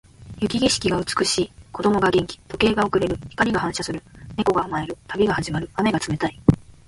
雪景色が美しい。子供が元気。時計が遅れる。光が反射する。猫が甘える。旅が始まる。雨が冷たい。